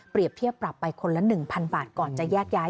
เทียบปรับไปคนละ๑๐๐บาทก่อนจะแยกย้าย